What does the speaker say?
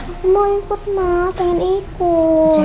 aku mau ikut mah pengen ikut